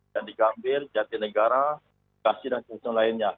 jantikambir jatinegara kasir dan sebagainya